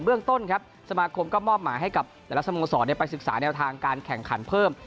เรื่องต้นสมาครมก็มอบมาให้กับลักษณะมงสรได้ไปศึกษาแข่งขันเพิ่ม